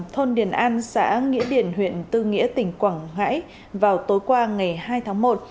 thôn điền an xã nghĩa điển huyện tư nghĩa tỉnh quảng ngãi vào tối qua ngày hai tháng một